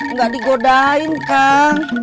nggak digodain kang